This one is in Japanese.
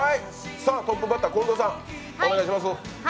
トップバッター、近藤さん、お願いします